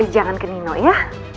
jangan ke nino ya